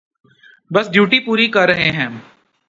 بس ڈیوٹی پوری کر رہے ہیں۔